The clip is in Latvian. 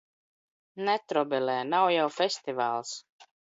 Netrobelē! Nav jau festivāls!